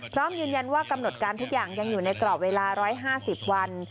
พร้อมยืนยันว่ากำหนดการทุกอย่างยังอยู่ในกรอบเวลา๑๕๐วัน